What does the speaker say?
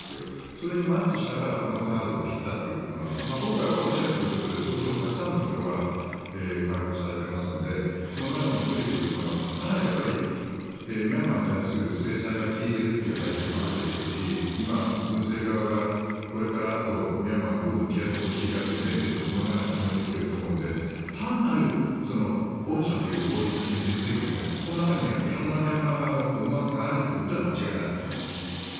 それにマッチしたからこのカードを切ったということなんですが今回は恩赦ということで相当たくさんの人が解放されていますのでその中の１人ということですがかなりミャンマーに対する制裁が効いているという背景もあるでしょうし今、軍政側がこれからあとミャンマーにどう向き合ってほしいかというメッセージもこの中に込めてきていると思うので単なる恩赦という、法律を決めて手続きというだけではなく色んなミャンマー側の思惑があるということは間違いないと思います。